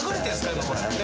今これ。